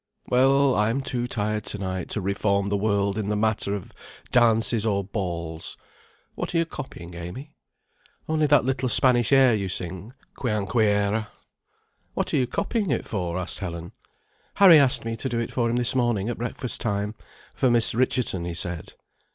"Well, I'm too tired to night to reform the world in the matter of dances or balls. What are you copying, Amy?" "Only that little Spanish air you sing 'Quien quiera.'" "What are you copying it for?" asked Helen. "Harry asked me to do it for him this morning at breakfast time, for Miss Richardson, he said."